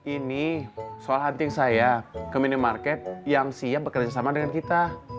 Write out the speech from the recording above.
ini soal hunting saya ke minimarket yang siap bekerjasama dengan kita